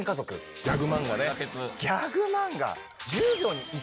ギャク漫画。